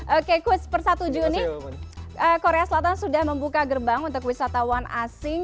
oke kus per satu juni korea selatan sudah membuka gerbang untuk wisatawan asing